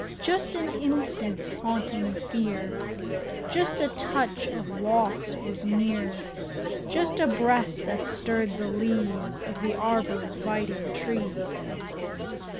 Just an instant's haunting fear. Just a touch of loss was near, Just a breath that stirred the leaves Of the arbor vitse trees.